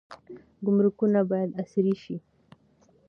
ګمرکونه باید عصري شي.